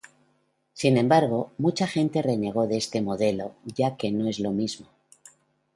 Sin embargo, mucha gente renegó de este modelo ya que no es lo mismo.